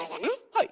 はい。